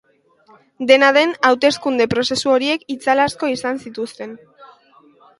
Dena den, hauteskunde prozesu horiek itzal asko izan zituzten.